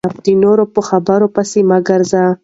د نورو په خبرو پسې مه ګرځئ .